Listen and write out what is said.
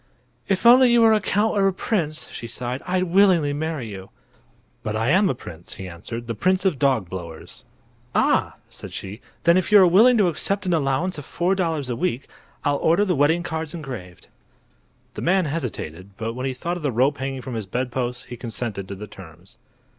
"If only you were a count or a prince," she sighed, "I'd willingly marry you." "But I am a prince," he answered; "the Prince of Dogblowers." "Ah!" said she; "then if you are willing to accept an allowance of four dollars a week I'll order the wedding cards engraved." The man hesitated, but when he thought of the rope hanging from his bedpost he consented to the terms.